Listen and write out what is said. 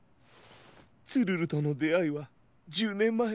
ツルルとのであいは１０ねんまえ。